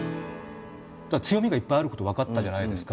強みがいっぱいあること分かったじゃないですか。